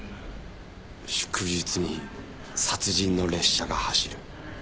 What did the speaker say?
祝日に殺人の列車が走る。